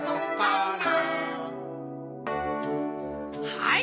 はい！